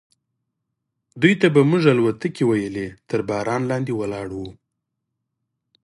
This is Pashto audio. دوی ته به موږ الوتکې ویلې، تر باران لاندې ولاړ و.